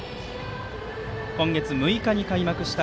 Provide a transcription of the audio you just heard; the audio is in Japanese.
今月６日に開幕した